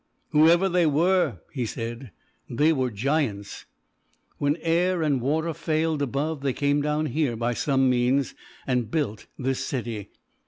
"Whoever they were," he said, "they were giants. When air and water failed above, they came down here by some means and built this city.